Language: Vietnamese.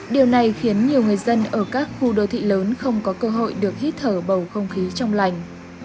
điều này khiến nhiều người dân ở các khu đô thị lớn không có cơ hội được hít thở bầu không khí trong lành